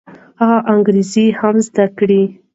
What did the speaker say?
هغه انګریزي هم زده کړه.